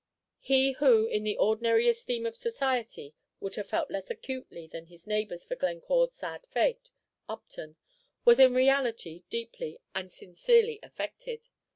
He who, in the ordinary esteem of society, would have felt less acutely than his neighbors for Glencore's sad fate, Upton, was in reality deeply and sincerely affected.